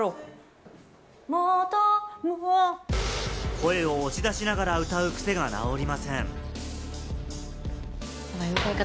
声を押し出しながら歌う癖が直りません。